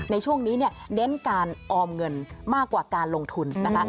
ในช่วงนี้เนี่ยเน้นการออมเงินมากกว่าการลงทุนนะคะ